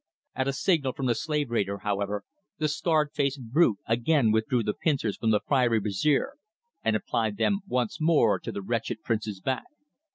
At a signal from the slave raider, however, the scarred face brute again withdrew the pincers from the fiery brazier, and applied them once more to the wretched prince's back.